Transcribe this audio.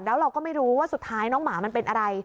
แล้วเราก็ไม่รู้ว่าสุดท้ายน้องหมามันเป็นอะไร